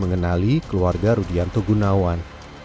mengenali keluarga rudianto gunawan